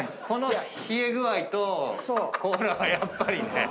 この冷え具合とコーラはやっぱりね。